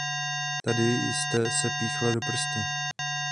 Tady jste se píchla do prstu.